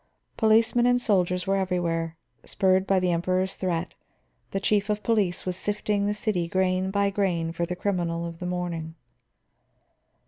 Policemen and soldiers were everywhere; spurred by the Emperor's threat, the chief of police was sifting the city grain by grain for the criminal of the morning.